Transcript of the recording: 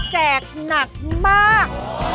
แจกหนักมาก